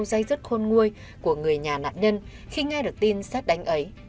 dây dứt khôn nguôi của người nhà nạn nhân khi nghe được tin xét đánh ấy